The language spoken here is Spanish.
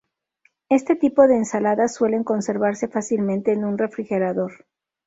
Este tipo de ensaladas suelen conservarse fácilmente en un refrigerador.